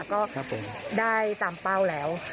ก็ได้ตามเป้าแล้ว